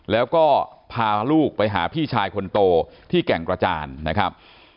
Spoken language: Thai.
แล้วก็พาลูกไปหาพี่ชายคนโตที่แก่งกระจานนะครับ